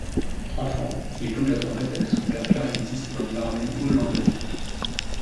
Enfant, il joue de la trompette avec son père clarinettiste dans une harmonie hollandaise.